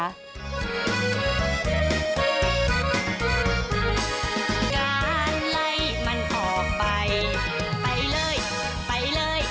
โปรดติดตามตอนต่อไป